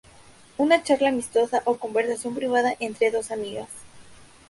Una charla amistosa o conversación privada entre dos amigas.